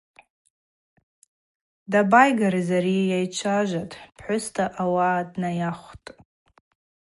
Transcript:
Дабайгарыз ани йайчважватӏ, пхӏвыста ауаъа днайахвтӏ.